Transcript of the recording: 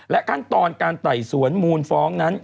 ขั้นตอนการไต่สวนมูลฟ้องนั้น